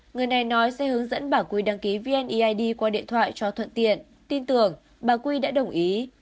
người này nói sẽ hướng dẫn bà quy đăng ký vneid qua điện thoại cho thuận tiện tin tưởng bà quy đã đồng ý